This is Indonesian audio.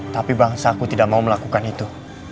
tapi bangsa aku tidak mau melakukan itu